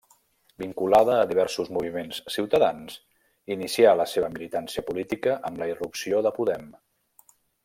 Vinculada a diversos moviments ciutadans, inicià la seva militància política amb la irrupció de Podem.